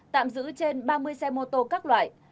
tạm giữ trên ba mươi xe mô tô các loại